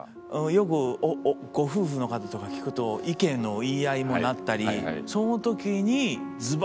よくご夫婦の方とか聞くと意見の言い合いにもなったりその時にズバッと言われて。